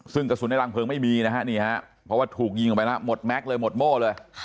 ซึ่งกระสุนในรังเผลอไม่มีเพราะถูกยินก็หมดไม้แล้วหมดโมข์เลย